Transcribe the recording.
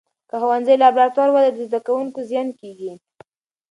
که ښوونځي لابراتوار ولري، د زده کوونکو زیان کېږي.